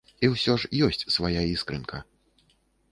І ўсё ж ёсць свая іскрынка.